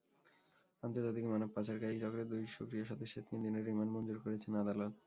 আন্তর্জাতিক মানবপাচারকারী চক্রের দুই সক্রিয় সদস্যের তিন দিনের রিমান্ড মঞ্জুর করেছেন আদালত।